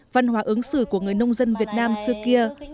văn hóa ứng xử của người nông dân việt nam xưa kia